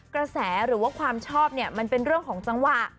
กระแสหรือว่าความชอบเนี่ยมันเป็นเรื่องของจังหวะ